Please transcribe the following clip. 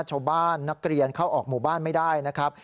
ชาวบ้านนักเรียนเข้าออกหมู่บ้านไม่ได้นะครับ